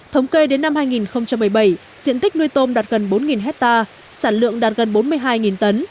thống kê đến năm hai nghìn một mươi bảy diện tích nuôi tôm đạt gần bốn hectare sản lượng đạt gần bốn mươi hai tấn